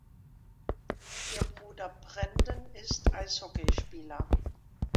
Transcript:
Ihr Bruder Brenden ist Eishockeyspieler.